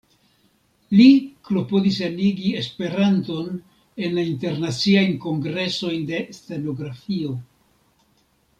Li klopodis enigi Esperanton en la internaciajn kongresojn de stenografio.